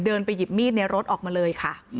ไปหยิบมีดในรถออกมาเลยค่ะ